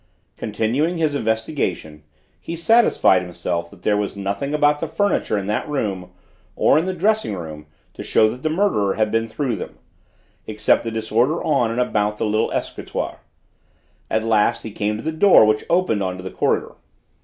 Continuing his investigation, he satisfied himself that there was nothing about the furniture in that room, or in the dressing room, to show that the murderer had been through them, except the disorder on and about the little escritoire. At last he came to the door which opened on to the corridor.